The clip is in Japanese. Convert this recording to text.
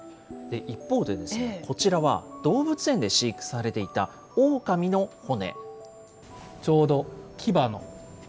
一方でこちらは、動物園で飼育されていたオオカミの骨。